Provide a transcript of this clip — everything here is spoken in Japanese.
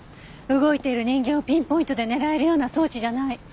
動いている人間をピンポイントで狙えるような装置じゃない。